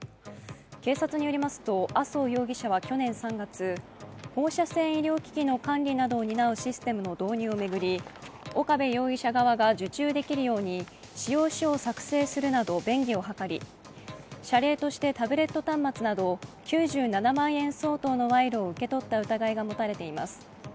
警察によりますと、麻生容疑者は去年３月放射線医療機器の管理などを担うシステムの導入を巡り岡部容疑者側が受注できるように仕様書を作成するなど便宜を図り、謝礼としてタブレット端末など９７万円相当の賄賂を受け取った疑いが持たれています。